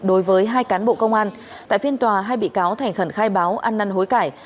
đối với hai cán bộ công an tại phiên tòa hai bị cáo thành khẩn khai báo ăn năn hối cải